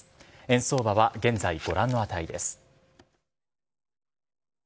円相場は現在、ご覧の値です。